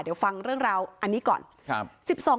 เดี๋ยวฟังเรื่องราวอันนี้ก่อน